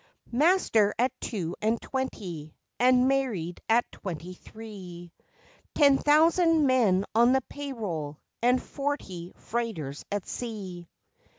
Master at two and twenty, and married at twenty three Ten thousand men on the pay roll, and forty freighters at sea!